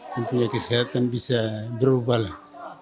mempunyai kesehatan bisa berubah lah